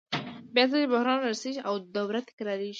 بیا ځلي بحران رارسېږي او دوره تکرارېږي